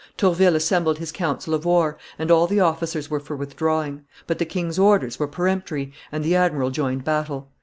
Tourville assembled his council of war, and all the officers were for withdrawing; but the king's orders were peremptory, and the admiral joined battle.